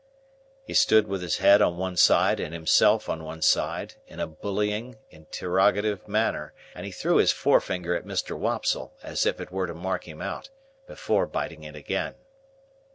He stood with his head on one side and himself on one side, in a bullying, interrogative manner, and he threw his forefinger at Mr. Wopsle,—as it were to mark him out—before biting it again.